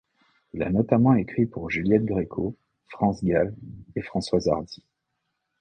Il a notamment écrit pour Juliette Gréco, France Gall et Françoise Hardy.